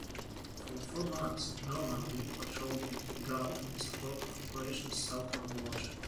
For four months "Normandy" patrolled the Gulf in support of Operation Southern Watch.